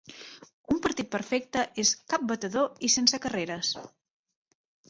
Un partit perfecte és cap batedor i sense carreres.